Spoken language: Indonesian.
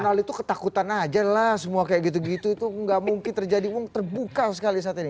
karena itu ketakutan aja lah semua kayak gitu gitu itu nggak mungkin terjadi uang terbuka sekali saat ini